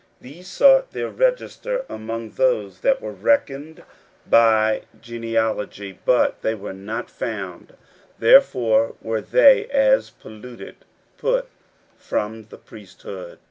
16:007:064 These sought their register among those that were reckoned by genealogy, but it was not found: therefore were they, as polluted, put from the priesthood.